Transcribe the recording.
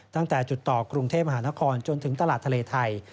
ตั้งแต่จุดต่อกรุงเทพมหานครจนถึงตลาดทะเลไทย